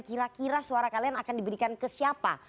kira kira suara kalian akan diberikan ke siapa